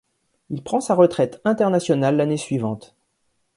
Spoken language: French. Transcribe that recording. Il prend sa retraite internationale l'année suivante.